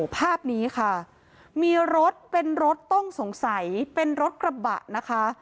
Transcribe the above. ภาพนี้ค่ะมีรถเป็นรถต้องสงสัยเป็นรถกระบะนะคะ